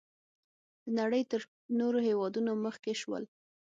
د نړۍ تر نورو هېوادونو مخکې شول.